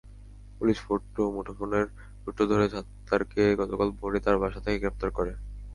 Police মুঠোফোনের সূত্র ধরে ছাত্তারকে গতকাল ভোরে তাঁর বাসা থেকে গ্রেপ্তার করে।